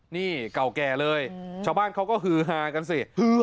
นี่เก่าแก่เลยชาวบ้านเขาก็ฮือฮากันสิ